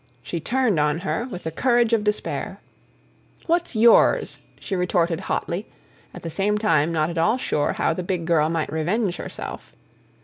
she turned on her, with the courage of despair. "What's yours?" she retorted hotly, at the same time not at all sure how the big girl might revenge herself.